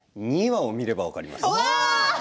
それは２話を見れば分かります。